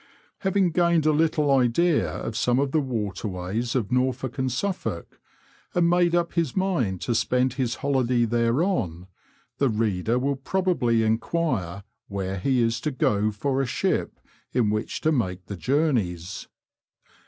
Haying gained a little idea of some of the waterways of Norfolk and Suffolk, and made up his mind to spend his holiday thereon, the reader will probably enquire where he is to go for a ship in which to make the journeys.